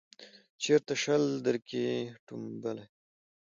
چیرته شل درکښې ټومبلی